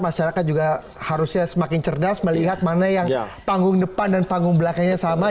masyarakat juga harusnya semakin cerdas melihat mana yang panggung depan dan panggung belakangnya sama